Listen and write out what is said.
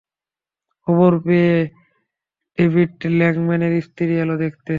খবর পেয়ে ডেভিড় ল্যাংম্যানের স্ত্রী এল দেখতে।